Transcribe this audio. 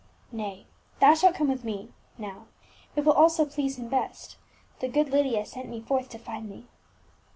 " Nay, thou shalt come with me now — it will also please him best ; the good Lydia sent me forth to find thee."